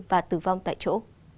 và tử vong tại chỗ